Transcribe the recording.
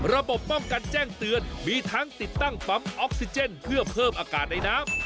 ระบบป้องกันแจ้งเตือนมีทั้งติดตั้งปั๊มออกซิเจนเพื่อเพิ่มอากาศในน้ำ